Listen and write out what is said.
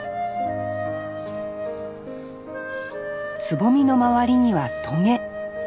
つぼみの周りにはトゲ。